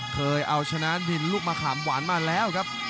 เคยเอาชนะดินลูกมะขามหวานมาแล้วครับ